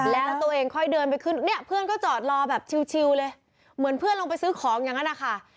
แล้วตัวเองค่อยเดินไปขึ้นเนี่ยเพื่อนก็จอดรอแบบชิวเลยเหมือนเพื่อนลงไปซื้อของอย่างนั้นนะคะ